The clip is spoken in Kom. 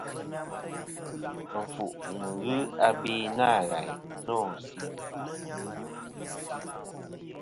Ɨnfuʼ nɨn ghɨ abe nâ ghàyn nô sɨ idvɨ.